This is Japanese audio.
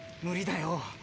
無理だよ。